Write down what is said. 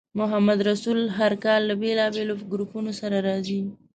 محمدرسول هر کال له بېلابېلو ګروپونو سره راځي.